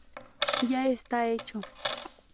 Ya está hecho.